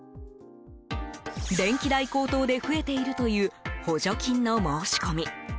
電気代高騰で増えているという補助金の申し込み。